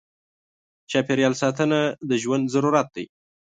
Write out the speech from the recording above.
چاپېریال ساتنه د ژوند ضرورت دی.